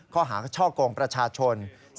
ข้อหาช่อกงประชาชน